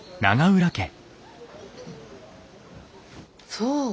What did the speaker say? そう。